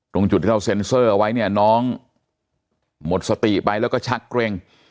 ตรงจุดที่เราเซ็นเซอร์เอาไว้เนี่ยน้องหมดสติไปแล้วก็ชักเกร็ง